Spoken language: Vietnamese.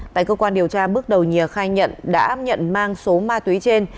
tại cơ quan điều tra bước đầu nhìa khai nhận đã nhận mang số ma túy trên